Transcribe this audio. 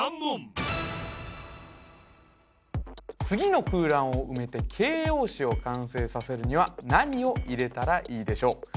次の空欄を埋めて形容詞を完成させるには何を入れたらいいでしょう？